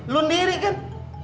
lo sendiri kan